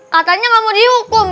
katanya gak mau diri hukum